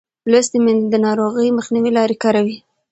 لوستې میندې د ناروغۍ مخنیوي لارې کاروي.